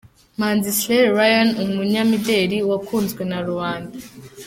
Manzi Slay Ryan umunyamideri wakunzwe na rubanda.